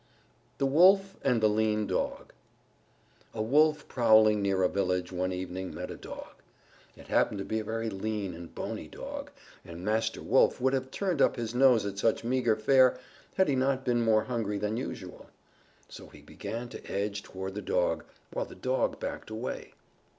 _ THE WOLF AND THE LEAN DOG A Wolf prowling near a village one evening met a Dog. It happened to be a very lean and bony Dog, and Master Wolf would have turned up his nose at such meager fare had he not been more hungry than usual. So he began to edge toward the Dog, while the Dog backed away.